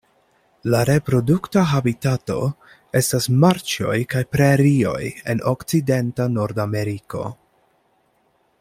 La reprodukta habitato estas marĉoj kaj prerioj en okcidenta Nordameriko.